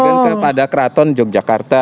membalikkan kepada keraton yogyakarta